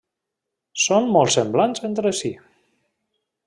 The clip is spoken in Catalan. Són molt semblants entre si.